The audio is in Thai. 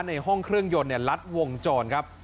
ในห้องเครื่องยนต์ลัดวงจรครับ